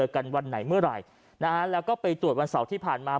กันวันไหนเมื่อไหร่นะฮะแล้วก็ไปตรวจวันเสาร์ที่ผ่านมา